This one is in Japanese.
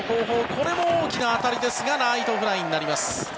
これも大きな当たりですがライトフライになります。